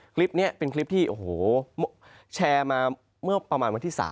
คลิปนี้เป็นคลิปที่โอ้โหแชร์มาเมื่อประมาณวันที่๓